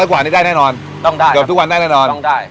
ร้อยกว่านี้ได้แน่นอนต้องได้ครับแต่ว่าทุกวันได้แน่นอนต้องได้